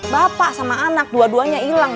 bapak sama anak dua duanya hilang